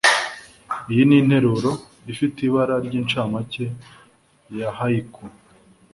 iyi ninteruro, ifite ibara ryincamake, ya haiku